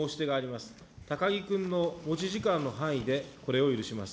高木君の持ち時間の範囲でこれを許します。